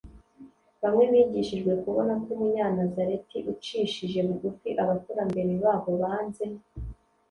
Bamwe bigishijwe kubona ko Umunyanazareti ucishije bugufi abakurambere babo banze